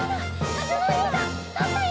かずむおにいさんとったよ！